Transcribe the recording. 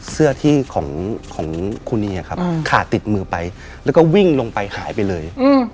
ในเด็กสักกรุงเสื้อของคุณทีเนี่ยครับขาดติดมือไปแล้วก็วิ่งลงไปหายไปเลย